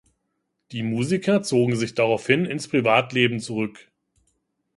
Die Musiker zogen sich daraufhin ins Privatleben zurück.